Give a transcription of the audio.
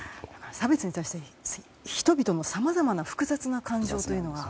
差別に対して人々のさまざまな複雑な感情というのが。